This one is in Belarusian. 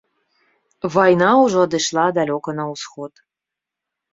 Вайна ўжо адышла далёка на ўсход.